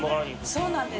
そうなんです。